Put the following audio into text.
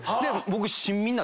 僕。